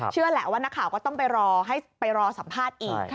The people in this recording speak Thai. เชื่อแหละว่านักข่าวก็ต้องไปรอให้ไปรอสัมภาษณ์อีก